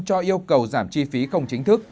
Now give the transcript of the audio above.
cho yêu cầu giảm chi phí không chính thức